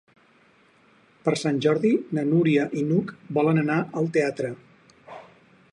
Per Sant Jordi na Núria i n'Hug volen anar al teatre.